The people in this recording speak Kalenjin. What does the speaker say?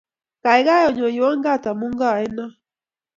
Kaikai onyoywa kat amu kaenok